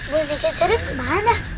buniknya zara kemana